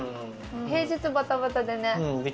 平日バタバタでね。